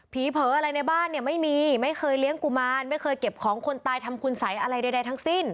เผลออะไรในบ้านเนี่ยไม่มีไม่เคยเลี้ยงกุมารไม่เคยเก็บของคนตายทำคุณสัยอะไรใดทั้งสิ้น